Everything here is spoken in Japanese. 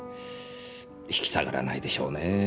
引き下がらないでしょうねぇ